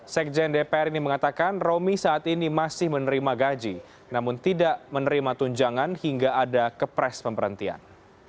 sekjen dpr ini mengatakan romi saat ini masih menerima gaji namun tidak menerima tunjangan hingga ada kepres pemberhentian